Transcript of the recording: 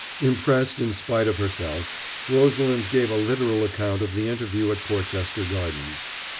Impressed in spite of herself, Rosalind gave a literal account of the interview at Porchester Gardens.